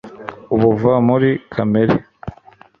buva muri kamere